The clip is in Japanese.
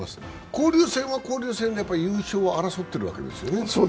交流戦は交流戦で優勝を争っているんですね。